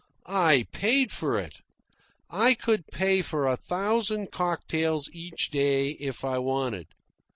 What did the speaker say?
I paid for it. I could pay for a thousand cocktails each day if I wanted.